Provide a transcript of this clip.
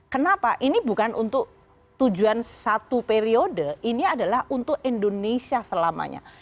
kenapa ini bukan untuk tujuan satu periode ini adalah untuk indonesia selamanya